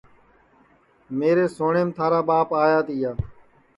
میرے سوٹؔیم تھارا ٻاپ آیا تِیا